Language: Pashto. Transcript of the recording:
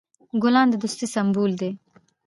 ګلان د دوستی سمبول دي.